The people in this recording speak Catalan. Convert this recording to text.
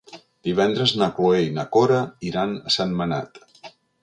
Divendres na Cloè i na Cora iran a Sentmenat.